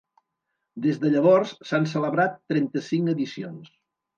Des de llavors s'han celebrat trenta-cinc edicions.